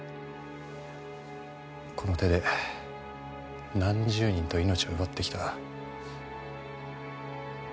この手で何十人と命を奪ってきた。